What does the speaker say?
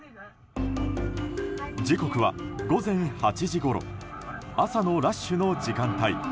時刻は午前８時ごろ朝のラッシュの時間帯。